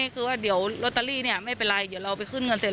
คือว่าเดี๋ยวลอตเตอรี่ไม่เป็นไรเดี๋ยวเราไปขึ้นเงินเสร็จ